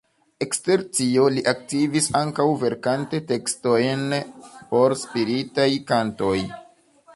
Ekster tio li aktivis ankaŭ verkante tekstojn por spiritaj kantoj.